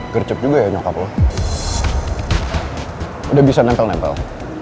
gercep juga ya nyokap loh udah bisa nempel nempel